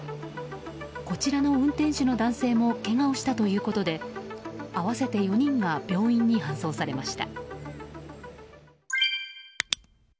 こちらの運転手の男性もけがをしたということで合わせて４人が病院に搬送されました。